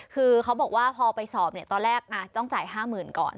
คือเขาบอกว่าพอไปสอบตอนแรกต้องจ่าย๕๐๐๐ก่อน